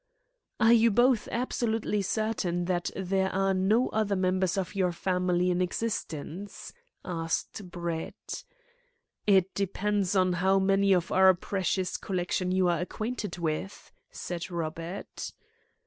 "Are you both absolutely certain that there are no other members of your family in existence?" asked Brett. "It depends on how many of our precious collection you are acquainted with," said Robert.